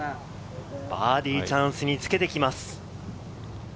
バーディーチャンスにつけてきます。